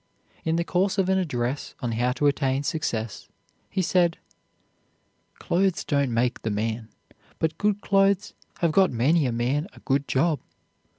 In the course of an address on how to attain success, he said: "Clothes don't make the man, but good clothes have got many a man a good job.